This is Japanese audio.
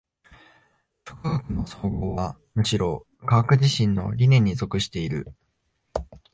諸科学の綜合はむしろ科学自身の理念に属している。